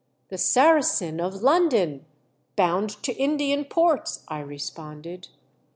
79 " The Saracen, of London, bound to Indian ports," I responded.